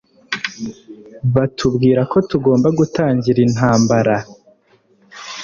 batubwira ko tugomba gutangira intambara